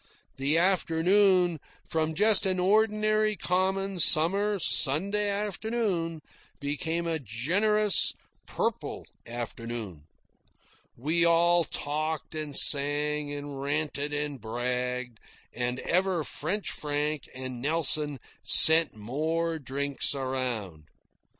The afternoon, from just an ordinary common summer Sunday afternoon, became a gorgeous, purple afternoon. We all talked and sang and ranted and bragged, and ever French Frank and Nelson sent more drinks around.